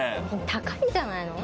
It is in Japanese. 高いんじゃないの？